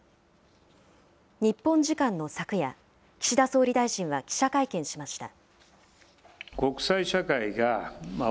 日本時間の昨夜、岸田総理大臣は記者会見しました。